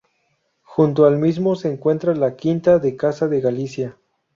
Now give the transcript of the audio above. Junto al mismo se encuentra la Quinta de Casa de Galicia.